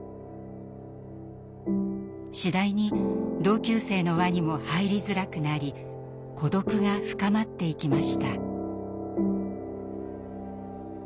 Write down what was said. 次第に同級生の輪にも入りづらくなり孤独が深まっていきました。